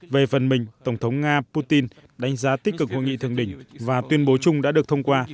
về phần mình tổng thống nga putin đánh giá tích cực hội nghị thường đỉnh và tuyên bố chung đã được thông qua